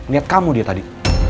lihat kamu dia tadi